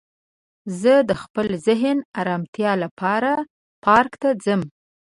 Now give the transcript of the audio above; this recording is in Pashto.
زه د خپل ذهن ارامتیا لپاره پارک ته ځم